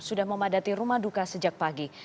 sudah memadati rumah duka sejak pagi